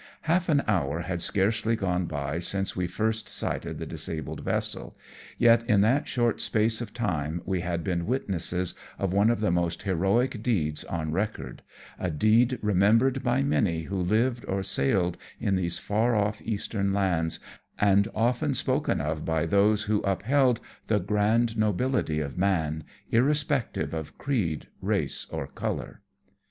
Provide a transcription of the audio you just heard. Half an hour had scarcely gone by since we first sighted the disabled vessel, yet in that short space of time we had been witnesses of one of the most heroic deeds on record; a deed remembered by many who lived or sailed in these far off Eastern lands, and often spoken of by those who upheld the 66 AMONG TYPHOONS AND PIRATE CRAFT grand nobility of man, irrespective of creedj race, or colour.